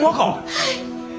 はい！